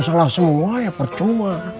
salah semua ya percuma